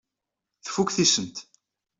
Tfuk tisent.